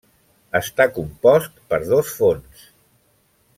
Està compost per dos fons.